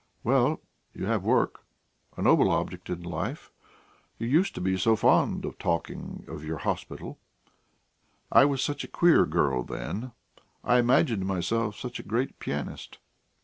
"Well, you have work a noble object in life. You used to be so fond of talking of your hospital. I was such a queer girl then; I imagined myself such a great pianist.